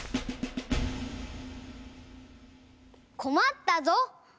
こまったぞ！